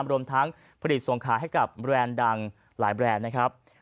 รวมทั้งผลิตส่งขายให้กับแบรนด์ดังหลายแบรนด์นะครับ